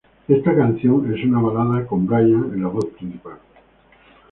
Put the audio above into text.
Esta canción es una balada con Brian en la voz principal.